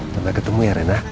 sampai ketemu ya rena